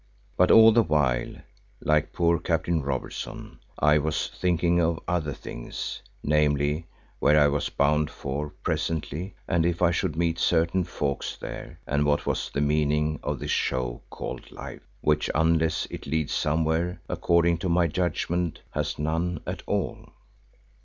But all the while, like poor Captain Robertson, I was thinking of other things; namely, where I was bound for presently and if I should meet certain folk there and what was the meaning of this show called Life, which unless it leads somewhere, according to my judgment has none at all.